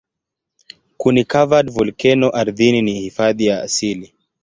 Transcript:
Kuni-covered volkeno ardhini ni hifadhi ya asili.